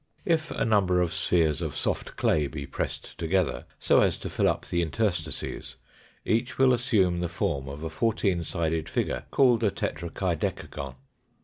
If a number of spheres of soft clay be pressed together, so as to fill up the interstices, each will assume the form of a fourteen sided figure called a tetrakai decagon.